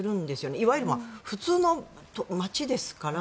いわゆる、普通の街ですから。